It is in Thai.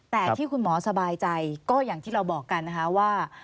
แต่ที่คุณหมอสบายใจก็อย่างที่เราบอกกันนะคะว่า